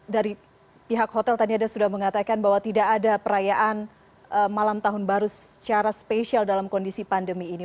dari pihak hotel tadi ada sudah mengatakan bahwa tidak ada perayaan malam tahun baru secara spesial dalam kondisi pandemi ini